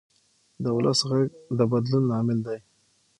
د ولس غږ د بدلون لامل دی